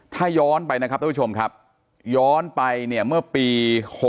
ถ้าย้อนไปนะครับท่านผู้ชมครับย้อนไปเนี่ยเมื่อปี๖๖